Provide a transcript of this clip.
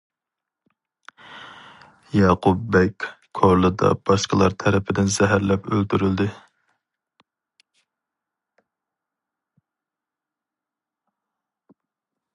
ياقۇپ بەگ كورلىدا باشقىلار تەرىپىدىن زەھەرلەپ ئۆلتۈرۈلدى.